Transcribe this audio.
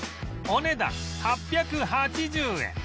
お値段８８０円